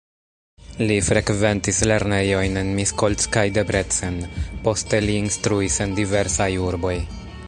Li frekventis lernejojn en Miskolc kaj Debrecen, poste li instruis en diversaj urboj.